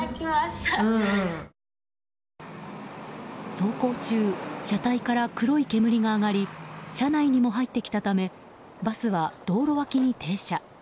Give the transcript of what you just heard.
走行中車体から黒い煙が上がり車内にも入ってきたためバスは道路脇に停車。